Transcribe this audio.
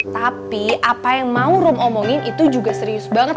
tapi apa yang mau room omongin itu juga serius banget